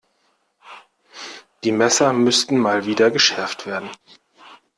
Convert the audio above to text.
Die Messer müssten Mal wieder geschärft werden.